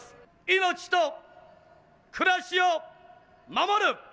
命と暮らしを守る。